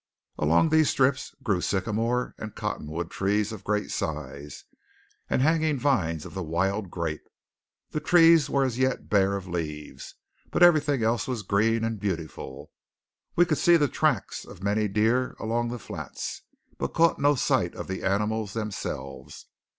Along these strips grew sycamore and cottonwood trees of great size, and hanging vines of the wild grape. The trees were as yet bare of leaves, but everything else was green and beautiful. We could see the tracks of many deer along the flats, but caught no sight of the animals themselves.